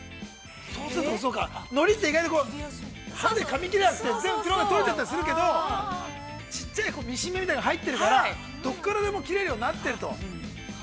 ◆そうすると、そうか、海苔って、取れちゃったりするけど、ちっちゃい、ミシン目みたいなのが入っているから、どこからでも切れるようになってると。